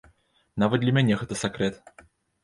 Нават для мяне гэта сакрэт.